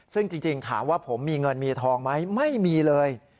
ซึ่งจริงถามว่าผมมีเงินมีทองไหมไม่มีเลย